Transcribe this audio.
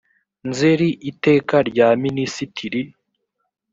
nzeri iteka rya minisitiri